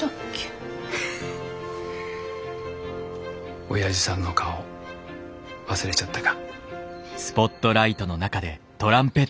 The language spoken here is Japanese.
フフフおやじさんの顔忘れちゃったか？